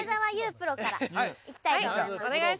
プロからいきたいと思います。